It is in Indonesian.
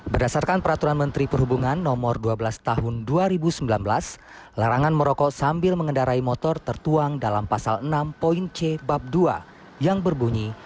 berdasarkan peraturan menteri perhubungan no dua belas tahun dua ribu sembilan belas larangan merokok sambil mengendarai motor tertuang dalam pasal enam c bab dua yang berbunyi